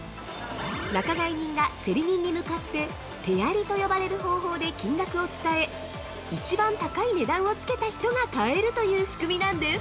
仲買人がセリ人に向かって「手やり」と呼ばれる方法で金額を伝え一番高い値段を付けた人が買えるという仕組みなんです！